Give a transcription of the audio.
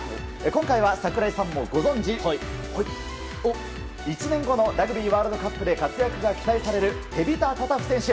今回は櫻井さんもご存じ１年後のラグビーワールドカップで活躍が期待されるテビタ・タタフ選手。